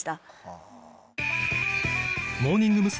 モーニング娘。